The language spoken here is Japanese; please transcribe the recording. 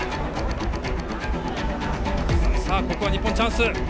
さあここは日本チャンス。